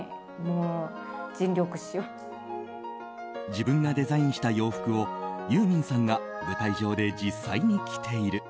自分がデザインした洋服をユーミンさんが舞台上で実際に着ている。